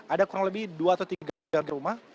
ada kurang lebih dua atau tiga rumah